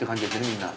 みんな。